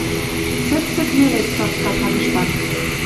Цӹрцӹк веле цыртка тагыштак.